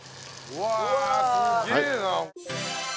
うわーすげえな！